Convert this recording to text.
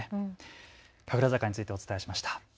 神楽坂ついてお伝えしました。